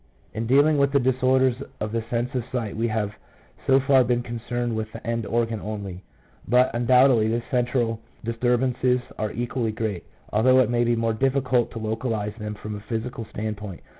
In dealing with the disorders of the sense of sight we have so far been concerned with the end organ only, but undoubtedly the central disturbances are equally great, although it may be more difficult to localize them from a physical standpoint.